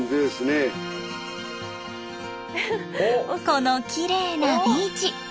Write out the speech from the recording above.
このきれいなビーチ。